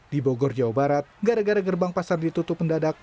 di bogor jawa barat gara gara gerbang pasar ditutup mendadak